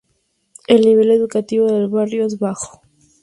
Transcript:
El nivel educativo del barrio es bajo.